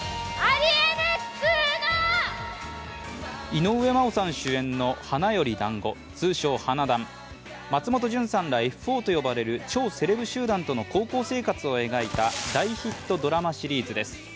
井上真央さん主演の「花より男子」、通称「花男」。松本潤さんらＦ４と呼ばれる超セレブ集団との高校生活を描いた大ヒットドラマシリーズです。